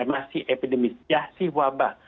masih epidemis yah sih wabah